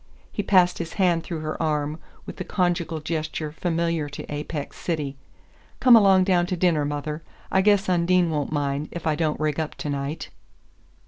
He passed his hand through her arm with the conjugal gesture familiar to Apex City. "Come along down to dinner, mother I guess Undine won't mind if I don't rig up to night."